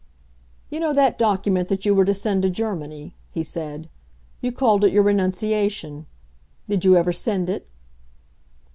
"You know that document that you were to send to Germany," he said. "You called it your 'renunciation.' Did you ever send it?"